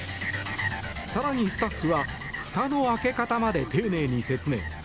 更に、スタッフはふたの開け方まで丁寧に説明。